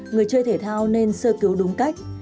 người chơi thể thao nên sơ cứu đúng cách